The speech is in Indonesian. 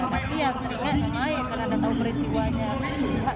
tapi yang teringat tanah air karena ada operasi buahnya